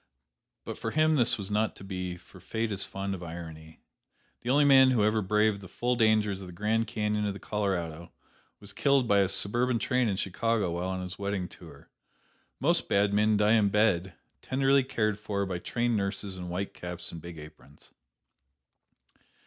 But for him this was not to be, for Fate is fond of irony. The only man who ever braved the full dangers of the Grand Canyon of the Colorado was killed by a suburban train in Chicago while on his wedding tour. Most bad men die in bed, tenderly cared for by trained nurses in white caps and big aprons.